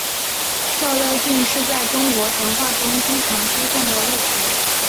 照妖镜是在中国神话中经常出现的物品。